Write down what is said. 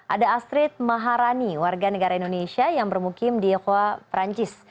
ada astrid maharani warga negara indonesia yang bermukim di yokoa perancis